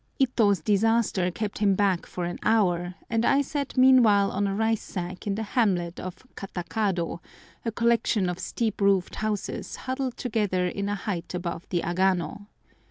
Ito's disaster kept him back for an hour, and I sat meanwhile on a rice sack in the hamlet of Katakado, a collection of steep roofed houses huddled together in a height above the Agano.